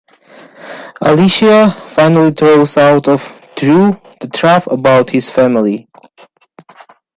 Alicia finally draws out of Drew the truth about his family.